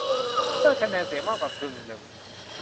ด้วยคะแนนเสียงมากกว่ากึ่งหนึ่ง